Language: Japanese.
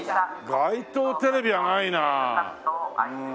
街頭テレビはないなあうん。